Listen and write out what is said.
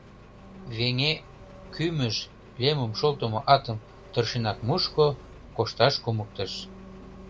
Веҥе кӱмыж, лемым шолтымо атым тыршенак мушко, кошташ кумыктыш.